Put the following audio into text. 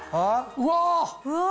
うわ！